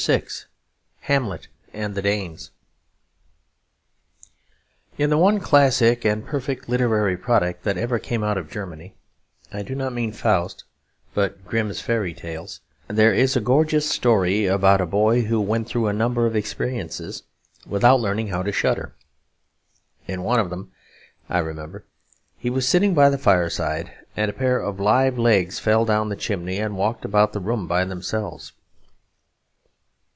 VI Hamlet and the Danes In the one classic and perfect literary product that ever came out of Germany I do not mean "Faust," but Grimm's Fairy Tales there is a gorgeous story about a boy who went through a number of experiences without learning how to shudder. In one of them, I remember, he was sitting by the fireside and a pair of live legs fell down the chimney and walked about the room by themselves.